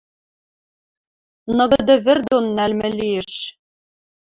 Ныгыды вӹр дон нӓлмӹ лиэш;